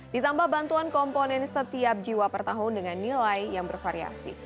ditambah bantuan komponen setiap jiwa per tahun dengan nilai yang bervariasi